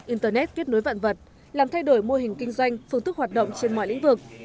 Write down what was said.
internet kết nối vạn vật làm thay đổi mô hình kinh doanh phương thức hoạt động trên mọi lĩnh vực